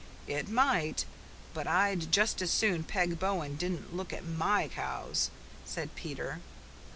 "It might. But I'd just as soon Peg Bowen didn't look at MY cows," said Peter.